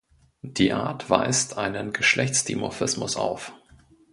Die Art weist einen Geschlechtsdimorphismus auf.